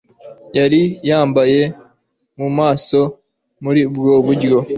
yari yambaye mu maso muri ubwo buryo